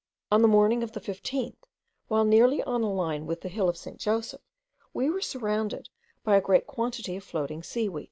On the morning of the 15th, when nearly on a line with the hill of St. Joseph, we were surrounded by a great quantity of floating seaweed.